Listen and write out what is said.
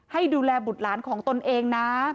ให้ดูแลบุตรหลานของตนเองนะ